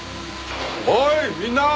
おいみんな！